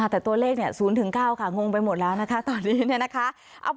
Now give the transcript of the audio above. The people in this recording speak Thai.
แต่ตัวเลข๐๙ค่ะงงไปหมดแล้วนะคะตอนนี้เนี่ยนะคะ